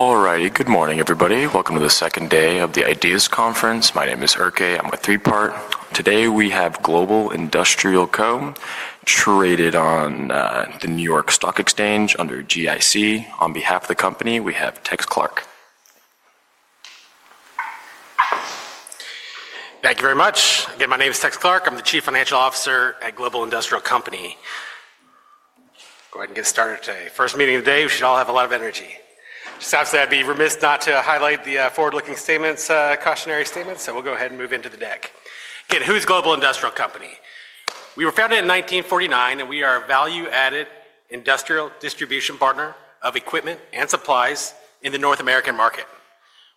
All righty, good morning, everybody. Welcome to the second day of the IDEAS Conference. My name is Urke. I'm with 3Part. Today we have Global Industrial Company traded on the New York Stock Exchange under GIC. On behalf of the company, we have Tex Clark. Thank you very much. Again, my name is Tex Clark. I'm the Chief Financial Officer at Global Industrial Company. Go ahead and get started today. First meeting of the day, we should all have a lot of energy. Just absolutely, I'd be remiss not to highlight the forward-looking statements, cautionary statements, so we'll go ahead and move into the deck. Again, who is Global Industrial Company? We were founded in 1949, and we are a value-added industrial distribution partner of equipment and supplies in the North American market.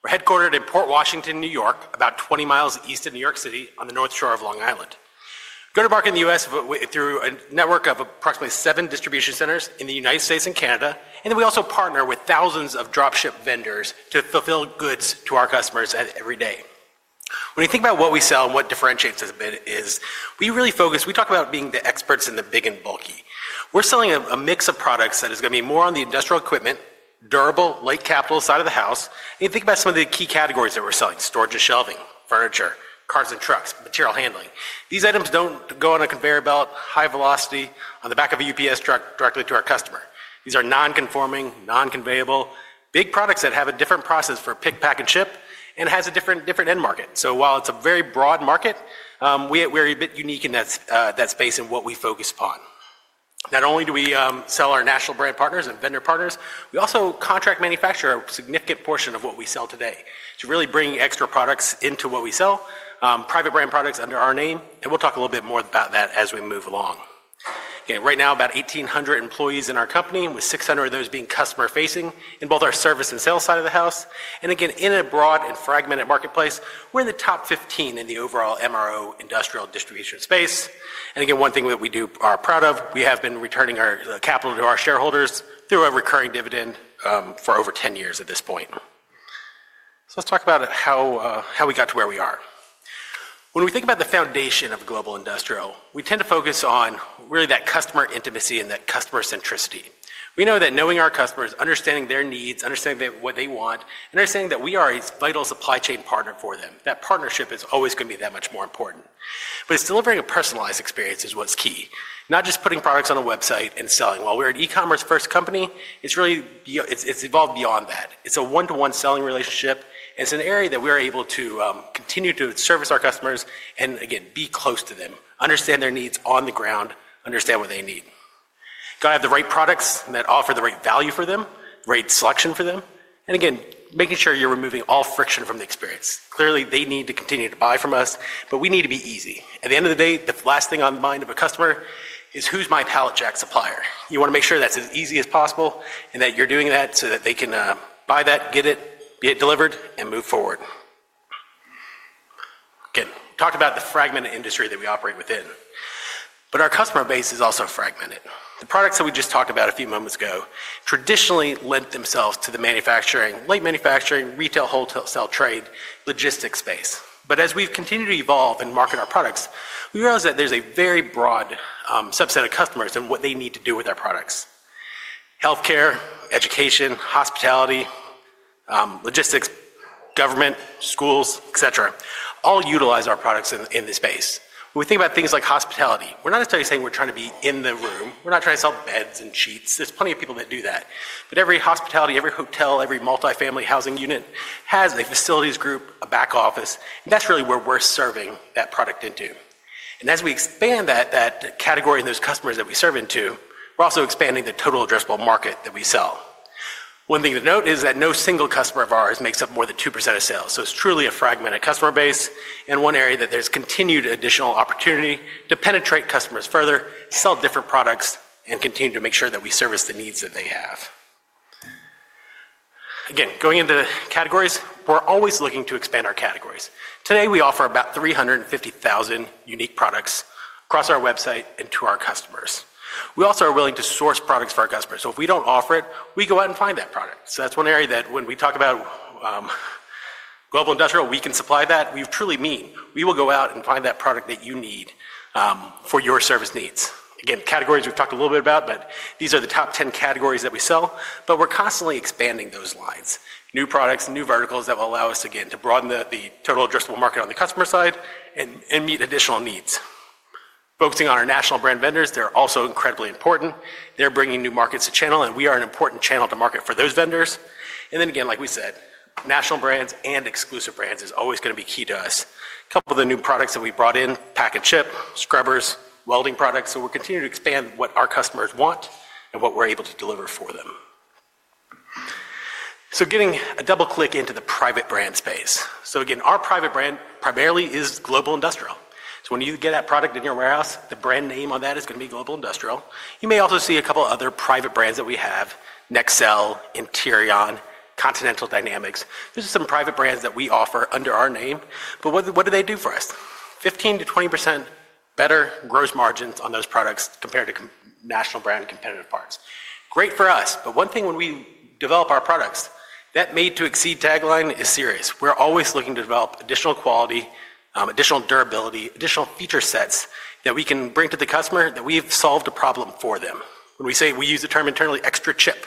We're headquartered in Port Washington, New York, about 20 miles east of New York City on the North Shore of Long Island. We're going to market in the U.S. through a network of approximately seven distribution centers in the United States and Canada, and then we also partner with thousands of dropship vendors to fulfill goods to our customers every day. When you think about what we sell and what differentiates us a bit, we really focus. We talk about being the experts in the big and bulky. We're selling a mix of products that is going to be more on the industrial equipment, durable, light capital side of the house. You think about some of the key categories that we're selling: storage and shelving, furniture, carts and trucks, material handling. These items don't go on a conveyor belt, high velocity, on the back of a UPS truck directly to our customer. These are non-conforming, non-conveyable, big products that have a different process for pick, pack, and ship, and it has a different end market. It is a very broad market, and we're a bit unique in that space in what we focus upon. Not only do we sell our national brand partners and vendor partners, we also contract manufacture a significant portion of what we sell today. Really bringing extra products into what we sell, private brand products under our name, and we'll talk a little bit more about that as we move along. Right now, about 1,800 employees in our company, with 600 of those being customer-facing in both our service and sales side of the house. In a broad and fragmented marketplace, we're in the top 15 in the overall MRO industrial distribution space. One thing that we are proud of, we have been returning our capital to our shareholders through a recurring dividend for over 10 years at this point. Let's talk about how we got to where we are. When we think about the foundation of Global Industrial, we tend to focus on really that customer intimacy and that customer centricity. We know that knowing our customers, understanding their needs, understanding what they want, and understanding that we are a vital supply chain partner for them, that partnership is always going to be that much more important. It is delivering a personalized experience is what's key, not just putting products on a website and selling. While we're an e-commerce-first company, it's really evolved beyond that. It's a one-to-one selling relationship, and it's an area that we are able to continue to service our customers and, again, be close to them, understand their needs on the ground, understand what they need. Got to have the right products that offer the right value for them, right selection for them, and again, making sure you're removing all friction from the experience. Clearly, they need to continue to buy from us, but we need to be easy. At the end of the day, the last thing on the mind of a customer is, "Who's my pallet jack supplier?" You want to make sure that's as easy as possible and that you're doing that so that they can buy that, get it, get it delivered, and move forward. Again, talked about the fragmented industry that we operate within, but our customer base is also fragmented. The products that we just talked about a few moments ago traditionally lent themselves to the manufacturing, light manufacturing, retail, wholesale, trade, logistics space. As we've continued to evolve and market our products, we realize that there's a very broad subset of customers and what they need to do with our products. Healthcare, education, hospitality, logistics, government, schools, etc., all utilize our products in this space. When we think about things like hospitality, we're not necessarily saying we're trying to be in the room. We're not trying to sell beds and sheets. There's plenty of people that do that. Every hospitality, every hotel, every multifamily housing unit has a facilities group, a back office, and that's really where we're serving that product into. As we expand that category and those customers that we serve into, we're also expanding the total addressable market that we sell. One thing to note is that no single customer of ours makes up more than 2% of sales. It's truly a fragmented customer base in one area that there's continued additional opportunity to penetrate customers further, sell different products, and continue to make sure that we service the needs that they have. Again, going into categories, we're always looking to expand our categories. Today, we offer about 350,000 unique products across our website and to our customers. We also are willing to source products for our customers. If we do not offer it, we go out and find that product. That is one area that when we talk about Global Industrial, we can supply that. We truly mean we will go out and find that product that you need for your service needs. Again, categories we have talked a little bit about, but these are the top 10 categories that we sell, but we are constantly expanding those lines. New products, new verticals that will allow us, again, to broaden the total addressable market on the customer side and meet additional needs. Focusing on our national brand vendors, they are also incredibly important. They are bringing new markets to channel, and we are an important channel to market for those vendors. Like we said, national brands and exclusive brands is always going to be key to us. A couple of the new products that we brought in, pack and ship, scrubbers, welding products. We are continuing to expand what our customers want and what we are able to deliver for them. Getting a double click into the private brand space. Our private brand primarily is Global Industrial. When you get that product in your warehouse, the brand name on that is going to be Global Industrial. You may also see a couple of other private brands that we have: NextCell, Interion, Continental Dynamics. Those are some private brands that we offer under our name, but what do they do for us? 15%-20% better gross margins on those products compared to national brand competitive parts. Great for us, but one thing when we develop our products, that made to exceed tagline is serious. We're always looking to develop additional quality, additional durability, additional feature sets that we can bring to the customer that we've solved a problem for them. When we say we use the term internally, extra chip.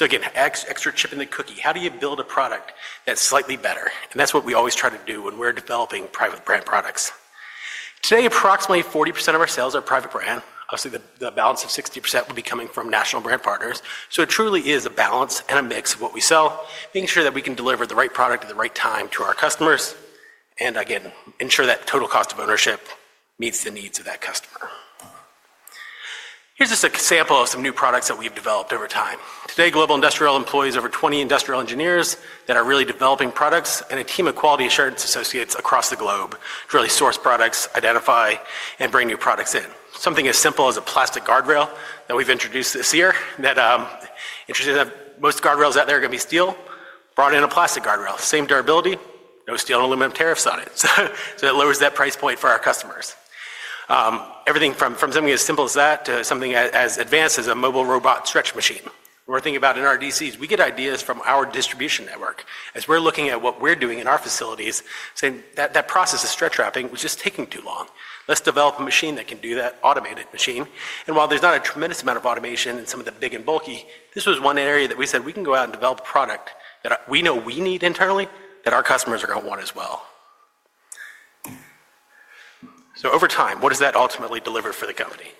You know, extra chip in the cookie. How do you build a product that's slightly better? That's what we always try to do when we're developing private brand products. Today, approximately 40% of our sales are private brand. Obviously, the balance of 60% will be coming from national brand partners. It truly is a balance and a mix of what we sell, making sure that we can deliver the right product at the right time to our customers and, again, ensure that total cost of ownership meets the needs of that customer. Here's a sample of some new products that we've developed over time. Today, Global Industrial employs over 20 industrial engineers that are really developing products and a team of quality assurance associates across the globe to really source products, identify, and bring new products in. Something as simple as a plastic guardrail that we've introduced this year that most guardrails out there are going to be steel, brought in a plastic guardrail. Same durability, no steel and aluminum tariffs on it. That lowers that price point for our customers. Everything from something as simple as that to something as advanced as a mobile robot stretch machine. We're thinking about in our DCs, we get ideas from our distribution network as we're looking at what we're doing in our facilities, saying that process of stretch wrapping was just taking too long. Let's develop a machine that can do that, automated machine. While there's not a tremendous amount of automation in some of the big and bulky, this was one area that we said we can go out and develop a product that we know we need internally that our customers are going to want as well. Over time, what does that ultimately deliver for the company?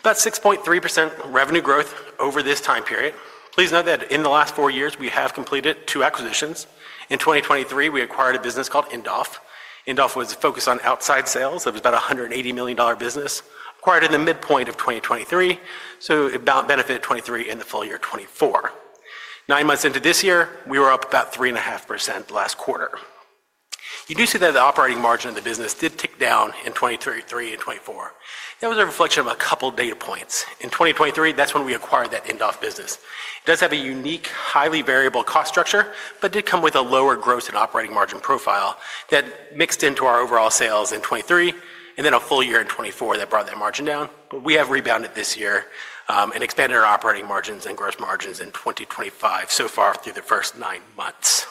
About 6.3% revenue growth over this time period. Please note that in the last four years, we have completed two acquisitions. In 2023, we acquired a business called Indoff. Indoff was focused on outside sales. It was about a $180 million business, acquired in the midpoint of 2023, so about benefit 2023 in the full year 2024. Nine months into this year, we were up about 3.5% last quarter. You do see that the operating margin of the business did tick down in 2023 and 2024. That was a reflection of a couple of data points. In 2023, that's when we acquired that Indoff business. It does have a unique, highly variable cost structure, but did come with a lower gross and operating margin profile that mixed into our overall sales in 2023 and then a full year in 2024 that brought that margin down. We have rebounded this year and expanded our operating margins and gross margins in 2025 so far through the first nine months.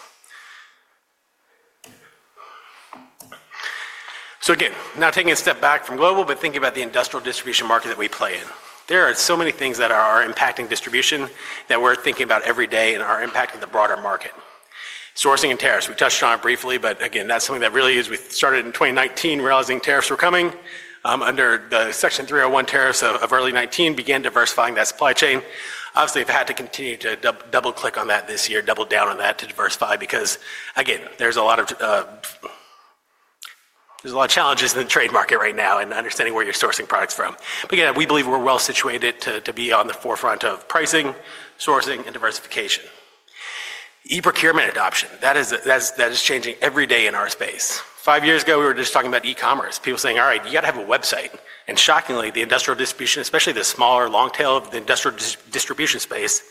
Again, now taking a step back from Global, but thinking about the industrial distribution market that we play in. There are so many things that are impacting distribution that we're thinking about every day and are impacting the broader market. Sourcing and tariffs. We touched on it briefly, but again, that's something that really is we started in 2019 realizing tariffs were coming. Under the Section 301 tariffs of early 2019, began diversifying that supply chain. Obviously, we've had to continue to double-click on that this year, double down on that to diversify because, again, there's a lot of challenges in the trade market right now in understanding where you're sourcing products from. Again, we believe we're well situated to be on the forefront of pricing, sourcing, and diversification. E-procurement adoption. That is changing every day in our space. Five years ago, we were just talking about e-commerce. People saying, "All right, you got to have a website." Shockingly, the industrial distribution, especially the smaller long tail of the industrial distribution space,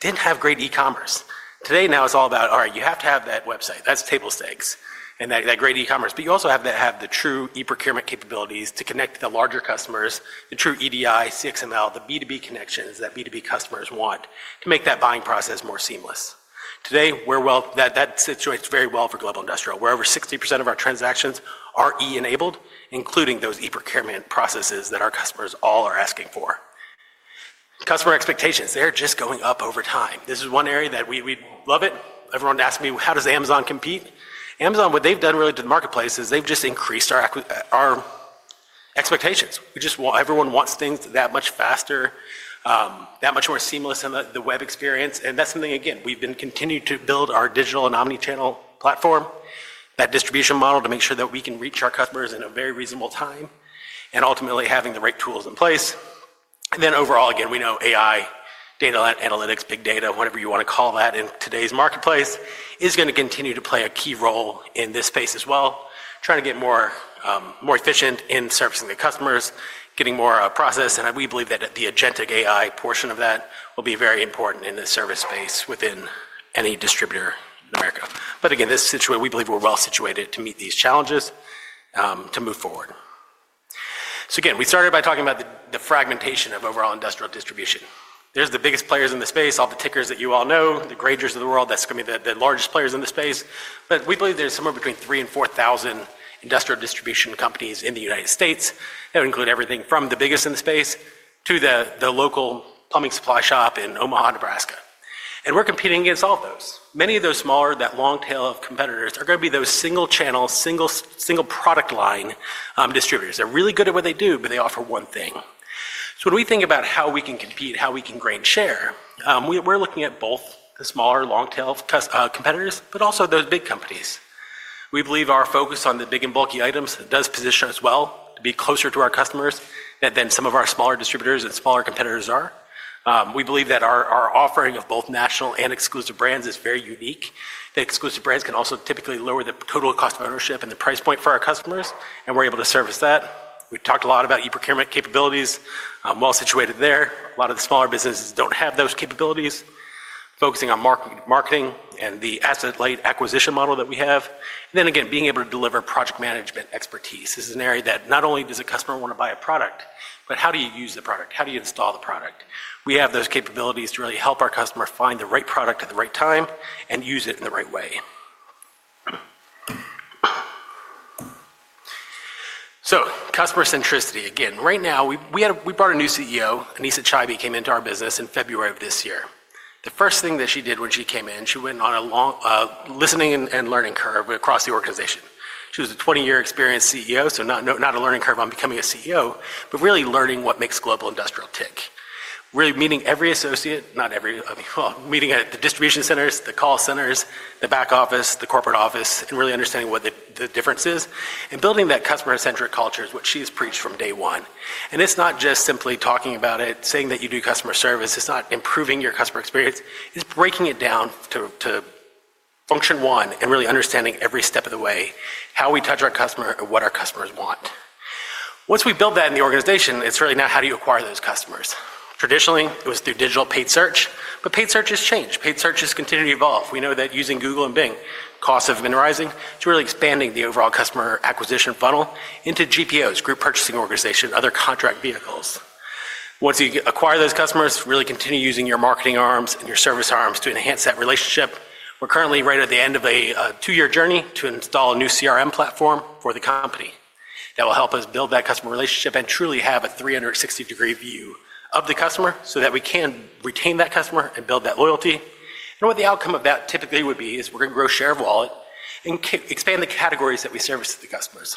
didn't have great e-commerce. Today, now it's all about, "All right, you have to have that website. That's table stakes and that great e-commerce. You also have to have the true e-procurement capabilities to connect to the larger customers, the true EDI, cXML, the B2B connections that B2B customers want to make that buying process more seamless. Today, that sits very well for Global Industrial. Where over 60% of our transactions are E-enabled, including those e-procurement processes that our customers all are asking for. Customer expectations, they're just going up over time. This is one area that we love it. Everyone asked me, "How does Amazon compete?" Amazon, what they've done really to the marketplace is they've just increased our expectations. Everyone wants things that much faster, that much more seamless in the web experience. That's something, again, we've been continuing to build our digital and omnichannel platform, that distribution model to make sure that we can reach our customers in a very reasonable time and ultimately having the right tools in place. Overall, again, we know AI, data analytics, big data, whatever you want to call that in today's marketplace, is going to continue to play a key role in this space as well, trying to get more efficient in servicing the customers, getting more process. We believe that the agentic AI portion of that will be very important in the service space within any distributor in America. But again this situation, we believe we're well situated to meet these challenges to move forward. We started by talking about the fragmentation of overall industrial distribution. There's the biggest players in the space, all the tickers that you all know, the Graingers of the world, that's going to be the largest players in the space. We believe there's somewhere between 3,000 and 4,000 industrial distribution companies in the United States. That would include everything from the biggest in the space to the local plumbing supply shop in Omaha, Nebraska. We're competing against all of those. Many of those smaller, that long tail of competitors, are going to be those single-channel, single-product line distributors. They're really good at what they do, but they offer one thing. When we think about how we can compete, how we can gain share, we're looking at both the smaller long-tail competitors, but also those big companies. We believe our focus on the big and bulky items does position us well to be closer to our customers than some of our smaller distributors and smaller competitors are. We believe that our offering of both national and exclusive brands is very unique. The exclusive brands can also typically lower the total cost of ownership and the price point for our customers, and we're able to service that. We talked a lot about e-procurement capabilities, well situated there. A lot of the smaller businesses do not have those capabilities, focusing on marketing and the asset-light acquisition model that we have. Again, being able to deliver project management expertise. This is an area that not only does a customer want to buy a product, but how do you use the product? How do you install the product? We have those capabilities to really help our customer find the right product at the right time and use it in the right way. Customer centricity. Right now, we brought a new CEO, Anesa Chaibi, who came into our business in February of this year. The first thing that she did when she came in, she went on a long listening and learning curve across the organization. She was a 20-year experienced CEO, so not a learning curve on becoming a CEO, but really learning what makes Global Industrial tick. Really meeting every associate, not every meeting at the distribution centers, the call centers, the back office, the corporate office, and really understanding what the difference is and building that customer-centric culture is what she has preached from day one. It's not just simply talking about it, saying that you do customer service. It's not improving your customer experience. It's breaking it down to function one and really understanding every step of the way, how we touch our customer and what our customers want. Once we build that in the organization, it's really now how do you acquire those customers? Traditionally, it was through digital paid search, but paid search has changed. Paid search has continued to evolve. We know that using Google and Bing, costs have been rising. It's really expanding the overall customer acquisition funnel into GPOs, Group Purchasing Organization, other contract vehicles. Once you acquire those customers, really continue using your marketing arms and your service arms to enhance that relationship. We're currently right at the end of a two-year journey to install a new CRM platform for the company. That will help us build that customer relationship and truly have a 360-degree view of the customer so that we can retain that customer and build that loyalty. What the outcome of that typically would be is we're going to grow share of wallet and expand the categories that we service to the customers.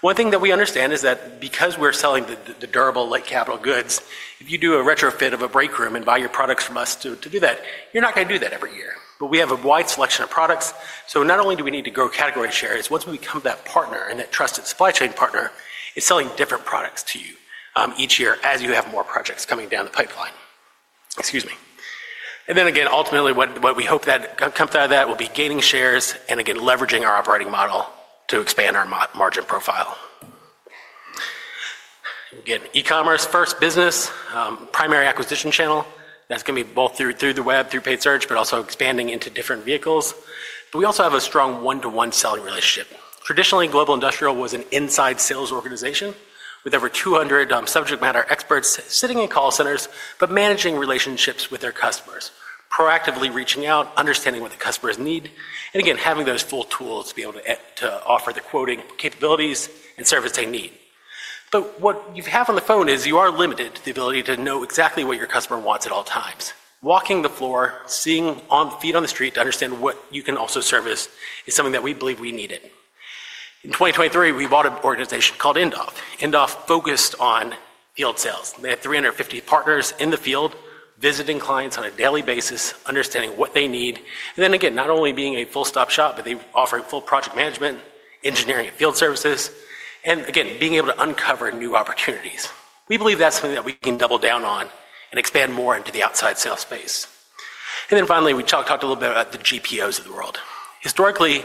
One thing that we understand is that because we're selling the durable, light capital goods, if you do a retrofit of a break room and buy your products from us to do that, you're not going to do that every year. We have a wide selection of products. Not only do we need to grow category shares, once we become that partner and that trusted supply chain partner, it's selling different products to you each year as you have more projects coming down the pipeline. Excuse me. Ultimately, what we hope that comes out of that will be gaining shares and again, leveraging our operating model to expand our margin profile. E-commerce first business, primary acquisition channel. That is going to be both through the web, through paid search, but also expanding into different vehicles. We also have a strong one-to-one selling relationship. Traditionally, Global Industrial was an inside sales organization with over 200 subject matter experts sitting in call centers, but managing relationships with their customers, proactively reaching out, understanding what the customers need, and again, having those full tools to be able to offer the quoting capabilities and service they need. What you have on the phone is you are limited to the ability to know exactly what your customer wants at all times. Walking the floor, seeing feet on the street to understand what you can also service is something that we believe we needed. In 2023, we bought an organization called Indoff. Indoff focused on field sales. They had 350 partners in the field, visiting clients on a daily basis, understanding what they need. Not only being a full-stop shop, but they offer full project management, engineering, and field services. Again, being able to uncover new opportunities. We believe that's something that we can double down on and expand more into the outside sales space. Finally, we talked a little bit about the GPOs of the world. Historically,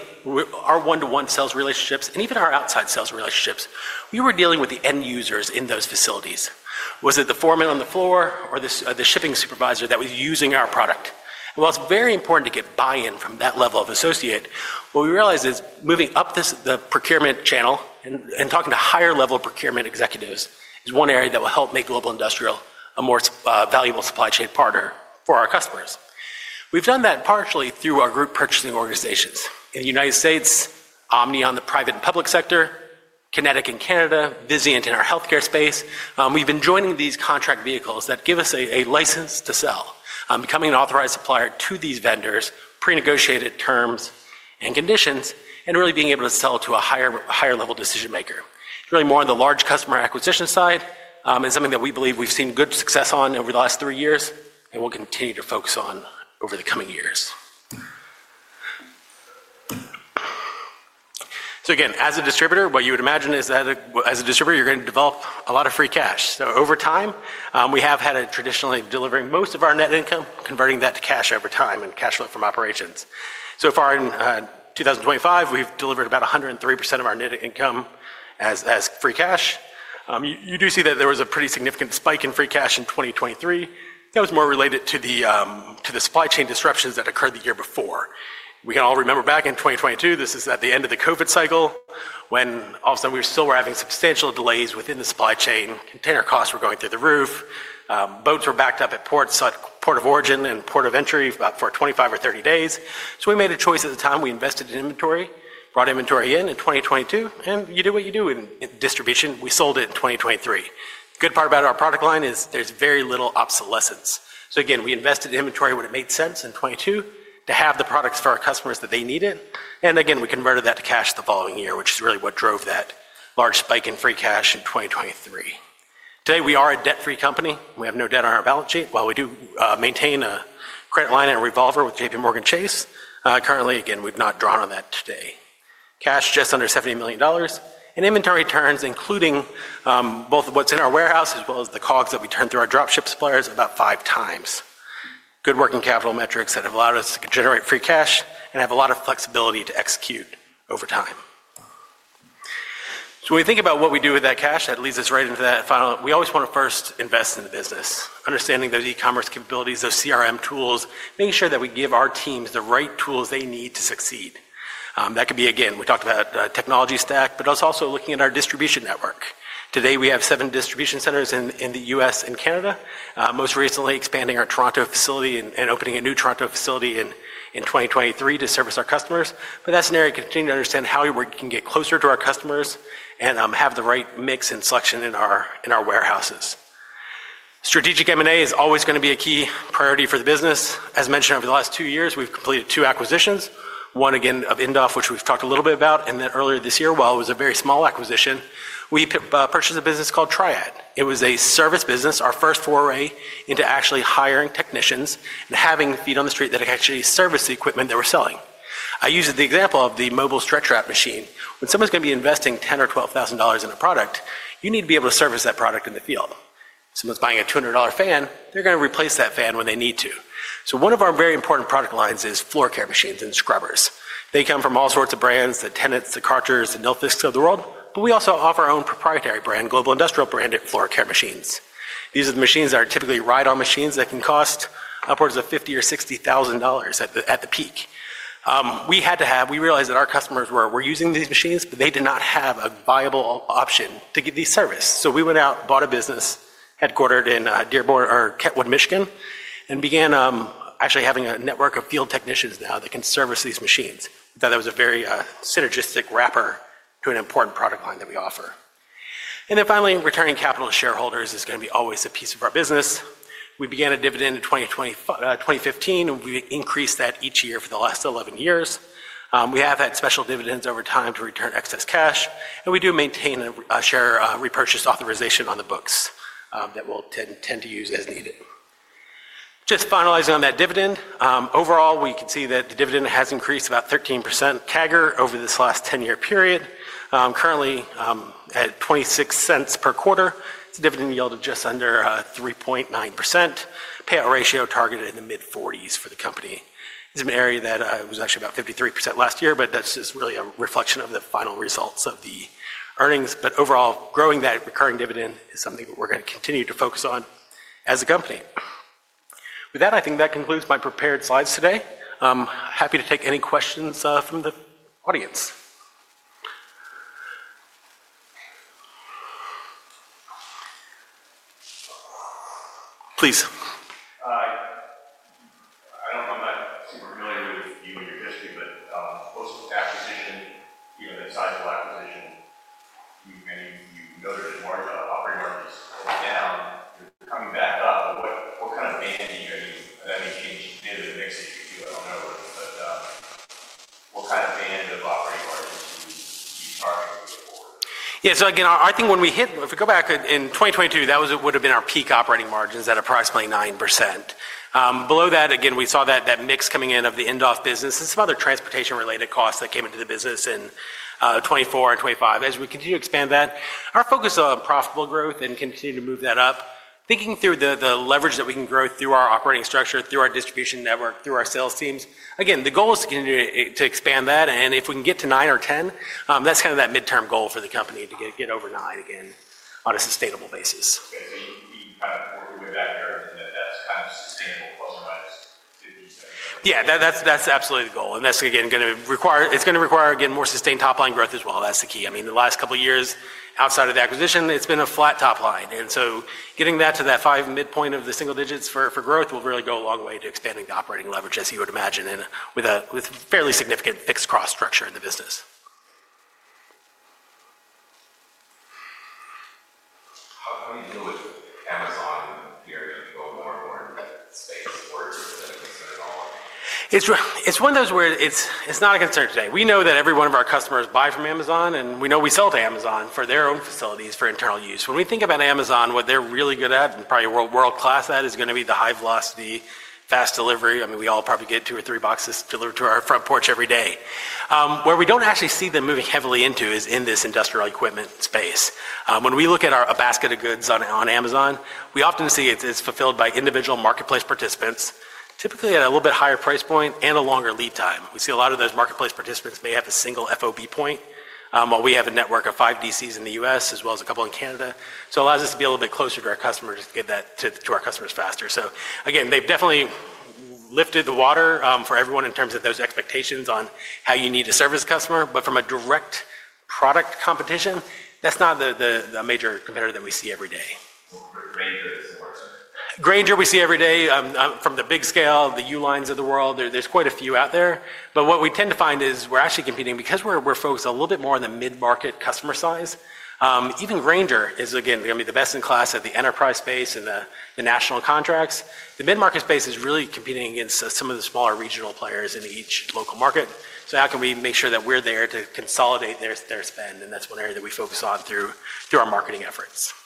our one-to-one sales relationships and even our outside sales relationships, we were dealing with the end users in those facilities. Was it the foreman on the floor or the shipping supervisor that was using our product? It was very important to get buy-in from that level of associate. What we realized is moving up the procurement channel and talking to higher-level procurement executives is one area that will help make Global Industrial a more valuable supply chain partner for our customers. We've done that partially through our group purchasing organizations. In the United States, OMNIA on the private and public sector, Kinetic in Canada, Vizient in our healthcare space. We've been joining these contract vehicles that give us a license to sell, becoming an authorized supplier to these vendors, pre-negotiated terms and conditions, and really being able to sell to a higher-level decision maker. Really more on the large customer acquisition side is something that we believe we've seen good success on over the last three years and will continue to focus on over the coming years. Again, as a distributor, what you would imagine is that as a distributor, you're going to develop a lot of free cash. Over time, we have had a tradition of delivering most of our net income, converting that to cash over time and cash flow from operations. So far in 2025, we've delivered about 103% of our net income as free cash. You do see that there was a pretty significant spike in free cash in 2023. That was more related to the supply chain disruptions that occurred the year before. We can all remember back in 2022, this is at the end of the COVID cycle when all of a sudden we still were having substantial delays within the supply chain. Container costs were going through the roof. Boats were backed up at ports like Port of Origin and Port of Entry for 25 or 30 days. We made a choice at the time. We invested in inventory, brought inventory in in 2022, and you do what you do in distribution. We sold it in 2023. Good part about our product line is there's very little obsolescence. Again, we invested in inventory when it made sense in 2022 to have the products for our customers that they needed. Again, we converted that to cash the following year, which is really what drove that large spike in free cash in 2023. Today, we are a debt-free company. We have no debt on our balance sheet. While we do maintain a credit line and a revolver with JPMorgan Chase, currently, again, we've not drawn on that today. Cash just under $70 million. Inventory turns, including both what is in our warehouse as well as the COGS that we turn through our dropship suppliers, about five times. Good working capital metrics that have allowed us to generate free cash and have a lot of flexibility to execute over time. When we think about what we do with that cash, that leads us right into that final. We always want to first invest in the business, understanding those e-commerce capabilities, those CRM tools, making sure that we give our teams the right tools they need to succeed. That could be, again, we talked about technology stack, but it is also looking at our distribution network. Today, we have seven distribution centers in the U.S. and Canada, most recently expanding our Toronto facility and opening a new Toronto facility in 2023 to service our customers. That is an area to continue to understand how we can get closer to our customers and have the right mix and selection in our warehouses. Strategic M&A is always going to be a key priority for the business. As mentioned, over the last two years, we've completed two acquisitions. One, again, of Indoff, which we've talked a little bit about. Earlier this year, while it was a very small acquisition, we purchased a business called Triad. It was a service business, our first foray into actually hiring technicians and having feet on the street that actually service the equipment that we're selling. I use the example of the mobile stretch wrap machine. When someone's going to be investing $10,000 or $12,000 in a product, you need to be able to service that product in the field. Someone's buying a $200 fan, they're going to replace that fan when they need to. One of our very important product lines is floor care machines and scrubbers. They come from all sorts of brands, the Tennants, the Kärchers, the Nilfisk of the world, but we also offer our own proprietary brand, Global Industrial branded floor care machines. These are the machines that are typically ride-on machines that can cost upwards of $50,000 or $60,000 at the peak. We realized that our customers were using these machines, but they did not have a viable option to get these serviced. We went out, bought a business headquartered in Dearborn, Michigan, and began actually having a network of field technicians now that can service these machines. We thought that was a very synergistic wrapper to an important product line that we offer. Finally, returning capital to shareholders is going to be always a piece of our business. We began a dividend in 2015, and we increased that each year for the last 11 years. We have had special dividends over time to return excess cash, and we do maintain a share repurchase authorization on the books that we'll tend to use as needed. Just finalizing on that dividend, overall, we can see that the dividend has increased about 13% CAGR over this last 10-year period. Currently, at $0.26 per quarter, it's a dividend yield of just under 3.9%. Payout ratio targeted in the mid-40% for the company. It's an area that was actually about 53% last year, but that's just really a reflection of the final results of the earnings. Overall, growing that recurring dividend is something that we're going to continue to focus on as a company. With that, I think that concludes my prepared slides today. Happy to take any questions from the audience. Please. thinking through the leverage that we can grow through our operating structure, through our distribution network, through our sales teams. Again, the goal is to continue to expand that. If we can get to 9 or 10, that's kind of that midterm goal for the company to get over 9 again on a sustainable basis. Okay. You kind of work your way back there, and then that's kind of sustainable ±50%. Yeah. That's absolutely the goal. That's, again, going to require, it's going to require, again, more sustained top-line growth as well. That's the key. I mean, the last couple of years outside of the acquisition, it's been a flat top line. Getting to that five midpoint of the single digits for growth will really go a long way to expanding the operating leverage, as you would imagine, with fairly significant fixed cost structure in the business. How do you deal with Amazon and the area of the globe more and more in that space? Is it a concern at all? It's one of those where it's not a concern today. We know that every one of our customers buys from Amazon, and we know we sell to Amazon for their own facilities for internal use. When we think about Amazon, what they're really good at, and probably world-class at, is going to be the high-velocity, fast delivery. I mean, we all probably get two or three boxes delivered to our front porch every day. Where we don't actually see them moving heavily into is in this industrial equipment space. When we look at a basket of goods on Amazon, we often see it's fulfilled by individual marketplace participants, typically at a little bit higher price point and a longer lead time. We see a lot of those marketplace participants may have a single FOB point, while we have a network of five DCs in the U.S., as well as a couple in Canada. It allows us to be a little bit closer to our customers to get that to our customers faster. They've definitely lifted the water for everyone in terms of those expectations on how you need to service a customer. From a direct product competition, that's not the major competitor that we see every day. What about Grainger and similar to it? Grainger we see every day from the big scale, the Ulines of the world. There's quite a few out there. What we tend to find is we're actually competing because we're focused a little bit more on the mid-market customer size. Even Grainger is, again, going to be the best in class at the enterprise space and the national contracts. The mid-market space is really competing against some of the smaller regional players in each local market. How can we make sure that we're there to consolidate their spend? That's one area that we focus on through our marketing efforts.